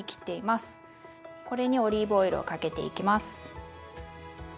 これにオリーブオイルをかけていきます。